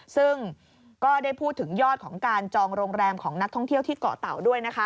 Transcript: ซึ่งก็ได้พูดถึงยอดของการจองโรงแรมของนักท่องเที่ยวที่เกาะเต่าด้วยนะคะ